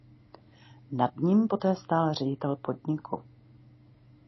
Nad ním poté stál ředitel podniku.